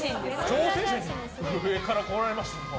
挑戦者に上から来られましても。